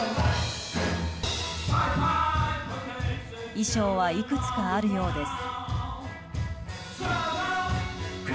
衣装はいくつかあるようです。